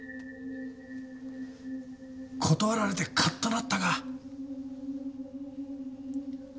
断られてカッとなったか？